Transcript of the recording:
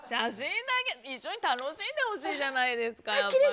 一緒に楽しんでほしいじゃないですか。